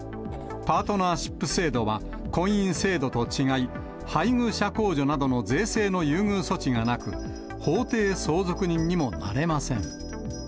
パートナーシップ制度は婚姻制度と違い、配偶者控除などの税制の優遇措置がなく、法定相続人にもなれません。